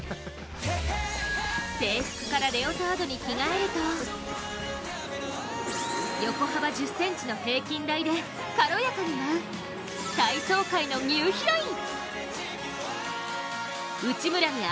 制服からレオタードに着替えると横幅１０ｃｍの平均台で軽やかに舞う体操界のニューヒロイン。